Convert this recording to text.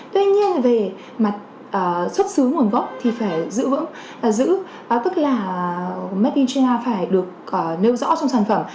tuy nhiên về mặt xuất xứ nguồn gốc thì phải giữ vững tức là made in china phải được nêu rõ trong sản phẩm